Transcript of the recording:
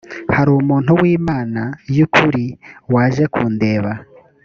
hari umuntu w imana y ukuri waje kundeba